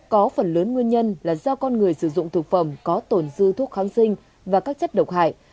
có phần lớn nguyên nhân là do con người sử dụng thực phẩm có tồn dư thuốc kháng sinh và các chất độc hại